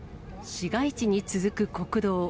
市街地に続く国道。